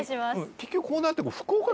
結局こうなっていや